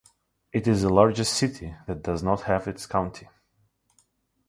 It is the largest city that does not have its county.